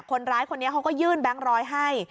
คนร้ายคนนี้เขาก็ยื่นแบงค์ร้อยให้